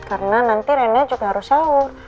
karena nanti nenek juga harus sahur